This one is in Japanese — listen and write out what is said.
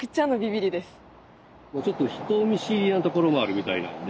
ちょっと人見知りなところもあるみたいなんで。